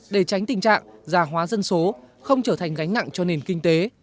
để tránh tình trạng già hóa dân số không trở thành gánh nặng cho nền kinh tế